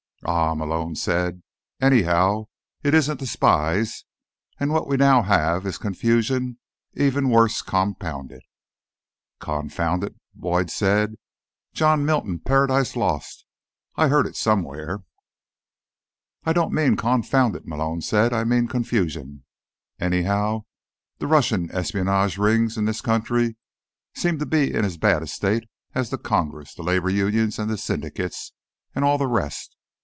"Ah," Malone said. "Anyhow, it isn't the spies. And what we now have is confusion even worse compounded." "Confounded," Boyd said. "John Milton. Paradise Lost, I heard it somewhere." "I don't mean confounded," Malone said. "I mean confusion. Anyhow, the Russian espionage rings in this country seem to be in as bad a state as the Congress, the labor unions, the syndicates, and all the rest.